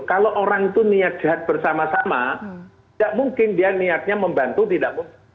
kalau orang itu niat jahat bersama sama tidak mungkin dia niatnya membantu tidak mungkin